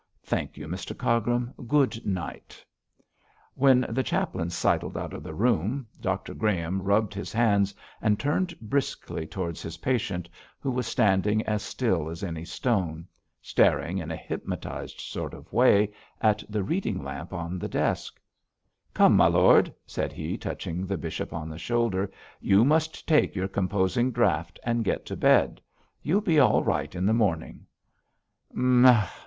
'Thank you, Mr Cargrim; good night!' When the chaplain sidled out of the room, Dr Graham rubbed his hands and turned briskly towards his patient, who was standing as still as any stone, staring in a hypnotised sort of way at the reading lamp on the desk. 'Come, my lord,' said he, touching the bishop on the shoulder, 'you must take your composing draught and get to bed. You'll be all right in the morning.'